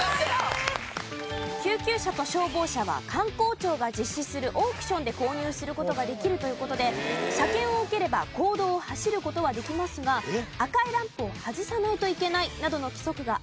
救急車と消防車は官公庁が実施するオークションで購入する事ができるという事で車検を受ければ公道を走る事はできますが赤いランプを外さないといけないなどの規則があります。